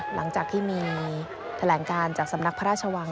หลังจากที่มีแถลงการจากสำนักพระราชวัง